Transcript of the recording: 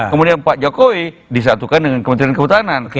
kemudian pak jokowi disatukan dengan kementerian kehutanan